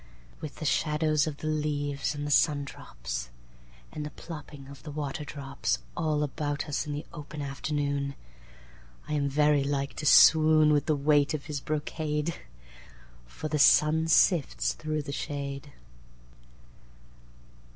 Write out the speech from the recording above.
With the shadows of the leaves and the sundrops, And the plopping of the waterdrops, All about us in the open afternoon—I am very like to swoonWith the weight of this brocade, For the sun sifts through the shade.